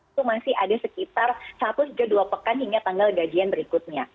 itu masih ada sekitar satu dua pekan hingga tanggal gajian berikutnya